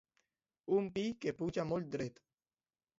Un pi que puja molt dret.